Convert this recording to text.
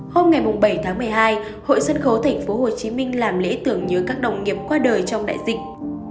hôm bảy tháng một mươi hai hội sân khấu tp hcm làm lễ tưởng nhớ các đồng nghiệp qua đời trong đại dịch